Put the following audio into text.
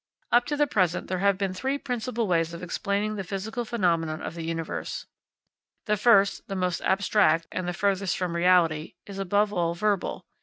Up to the present there have been three principal ways of explaining the physical phenomena of the universe. The first, the most abstract, and the furthest from reality, is above all verbal.